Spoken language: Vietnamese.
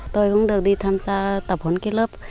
tôi cũng được đi tham gia tập huấn cái lớp